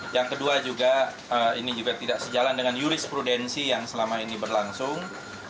yang kedua juga ini juga tidak sejalan dengan jurisprudensi yang selama ini berlangsung